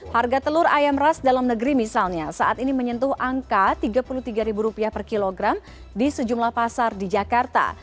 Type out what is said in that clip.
harga telur ayam ras dalam negeri misalnya saat ini menyentuh angka rp tiga puluh tiga per kilogram di sejumlah pasar di jakarta